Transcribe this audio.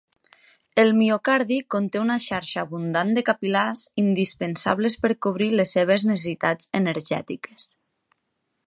El miocardi conté una xarxa abundant de capil·lars indispensables per cobrir les seves necessitats energètiques.